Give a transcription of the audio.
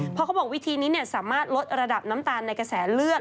เพราะเขาบอกวิธีนี้สามารถลดระดับน้ำตาลในกระแสเลือด